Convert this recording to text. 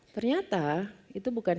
ternyata itu bukan